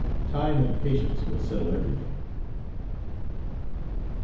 Time and patience will settle every thing."